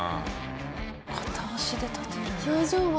片足で立てるんだ。